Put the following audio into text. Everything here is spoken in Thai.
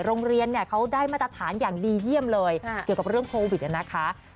โรงเรียนเนี่ยเขาได้มาตรฐานอย่างดีเยี่ยมเลยเกี่ยวกับเรื่องโควิดนะคะ